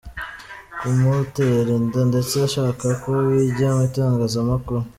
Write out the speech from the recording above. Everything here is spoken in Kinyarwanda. kumutera inda ndetse ashaka ko bijya mu itangazamakuru.